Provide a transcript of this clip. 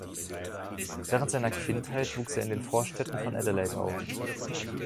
Während seiner Kindheit wuchs er in den Vorstädten von Adelaide auf.